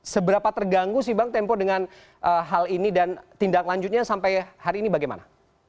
seberapa terganggu sih bang tempo dengan hal ini dan tindak lanjutnya sampai hari ini bagaimana